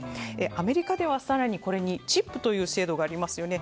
アメリカでは、更にこれにチップという制度がありますよね。